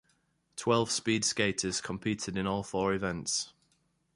Twelve speed skaters competed in all four events.